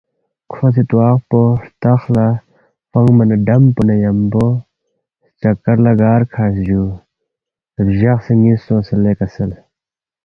کھو سی تواق پو ہرتخ لہ فنگما نہ ڈم پو نہ ن٘یمبو ہلچقکر لہ گار کھڈس جُو بجقسے نِ٘یس سونگس لے کسل